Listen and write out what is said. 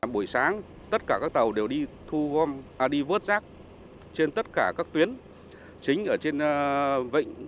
buổi sáng tất cả các tàu đều đi vớt rác trên tất cả các tuyến chính ở trên vịnh